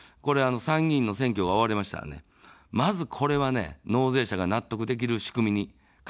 参議院の選挙が終わりましたら、まず、これは納税者が納得できる仕組みに変えていく。